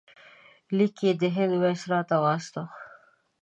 لیک یې د هند وایسرا ته واستاوه.